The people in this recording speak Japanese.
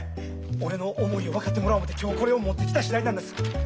俺の思いを分かってもらおう思って今日これを持ってきた次第なんです。